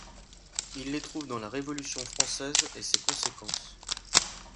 Il les trouve dans la Révolution française et ses conséquences.